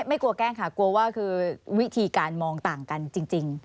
ไม่กลัวแกล้งค่ะกลัวว่าคือวิธีการมองต่างกันจริง